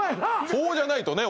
そうじゃないとね